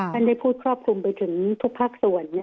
ได้พูดครอบคลุมไปถึงทุกภาคส่วน